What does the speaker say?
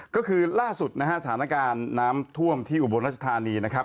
ก็คือล่าสุดนะฮะสถานการณ์น้ำท่วมที่อุบลรัชธานีนะครับ